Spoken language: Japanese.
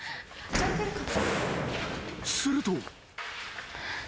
［すると］